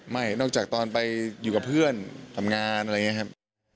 ไม่นอกจากตอนไปอยู่กับเพื่อนทำงานอะไรอย่างนี้ครับ